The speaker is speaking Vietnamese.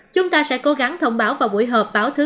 chúng ta sẽ cố gắng thông báo vào buổi hợp báo thứ năm